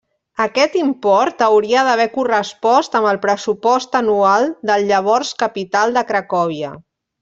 Aquest import hauria d'haver correspost amb el pressupost anual del llavors capital de Cracòvia.